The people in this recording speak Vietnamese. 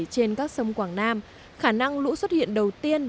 trên các sông quảng nam khả năng lũ xuất hiện đầu tiên